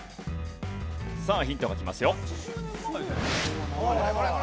さあヒントが来ますよ。